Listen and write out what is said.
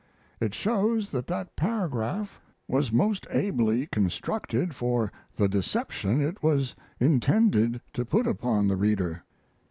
It shows that that paragraph was most ably constructed for the deception it was intended to put upon the reader.